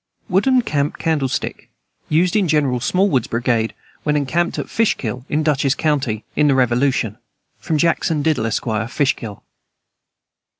Wooden camp candlestick, used in General Smallwood's brigade while encamped at Fishkill, in Dutchess county, in the Revolution. From Jackson Diddle, Esq., Fishkill.